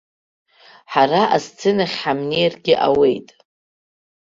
Ҳара асценахь ҳамнеиргьы ауеит.